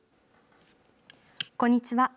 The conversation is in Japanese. こんにちは。